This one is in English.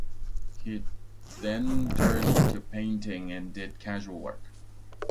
He then turned to painting and did casual work.